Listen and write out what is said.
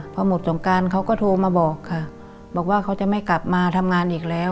พอหมดสงการเขาก็โทรมาบอกค่ะบอกว่าเขาจะไม่กลับมาทำงานอีกแล้ว